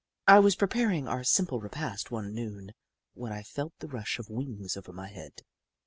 I was pre paring our simple repast one noon, when I felt the rush of wings over my head.